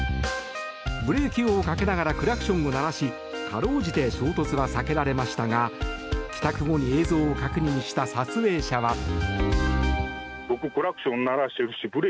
ブレーキをかけながらクラクションを鳴らしかろうじて衝突は避けられましたが帰宅後に映像を確認した撮影者は。